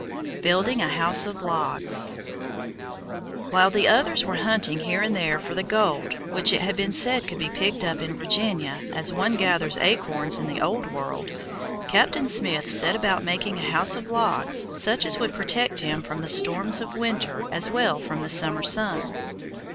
BUILDING A HOUSE OF LOGS While the others were hunting here and there for the gold which it had been said could be picked up in Virginia as one gathers acorns in the old world, Captain Smith set about making a house of logs such as would protect him from the storms of winter as well as from the summer sun.